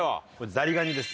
ザリガニです。